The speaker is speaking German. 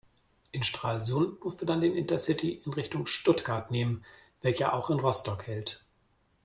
In Stralsund musst du dann den Intercity in Richtung Stuttgart nehmen, welcher auch in Rostock hält.